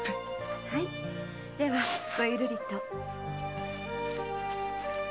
ではごゆるりと。